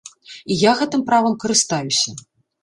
І я гэтым правам карыстаюся.